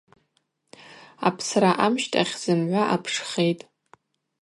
Апсра амщтӏахь зымгӏва апшхитӏ.